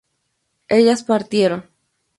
ellas partieron